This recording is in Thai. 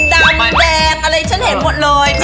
เห็นดำแจกอะไรฉันเห็นหมดรอย